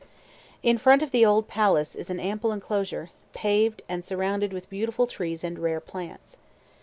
In front of the old palace is an ample enclosure, paved, and surrounded with beautiful trees and rare plants.